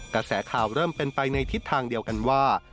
กระแสข่าวเริ่มเป็นไปในทิศทางเดียวกันว่า